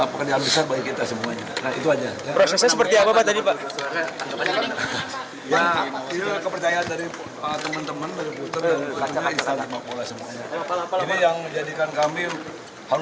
sebenarnya semua berdekat untuk kemajuan sepak bola yang terakhir